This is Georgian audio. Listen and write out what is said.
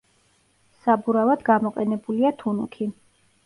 საბურავად გამოყენებულია თუნუქი.